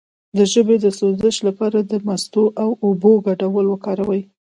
د ژبې د سوزش لپاره د مستو او اوبو ګډول وکاروئ